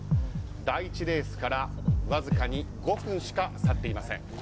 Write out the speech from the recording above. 第１レースからわずかに５分しか経っていません。